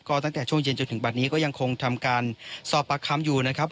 ก็ตั้งแต่ช่วงเย็นจนถึงบัตรนี้ก็ยังคงทำการสอบปากคำอยู่นะครับ